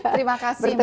terima kasih mbak desi